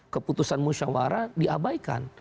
keputusan musyawara diabaikan